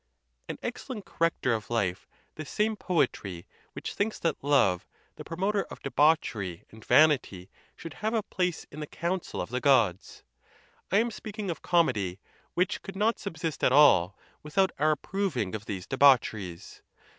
An excellent corrector of life this same poetry, which thinks that love, the promoter of debauchery and vanity, should have a place in the council of the Gods! I am speaking of comedy, which could not subsist at all without our approving of these debaucheries.